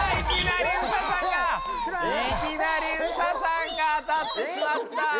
いきなりＳＡさんがあたってしまった！